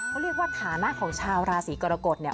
เขาเรียกว่าฐานะของชาวราศีกรกฎเนี่ย